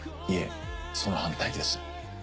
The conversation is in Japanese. いえその反対です。